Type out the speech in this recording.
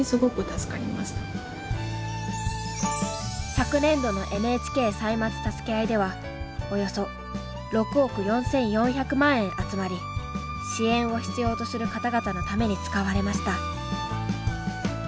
昨年度の「ＮＨＫ歳末たすけあい」ではおよそ６億４，４００万円集まり支援を必要とする方々のために使われました。